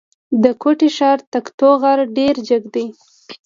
د کوټي ښار تکتو غر ډېر جګ دی.